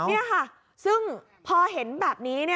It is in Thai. นี่ค่ะซึ่งพอเห็นแบบนี้